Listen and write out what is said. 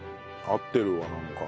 合ってるわなんか。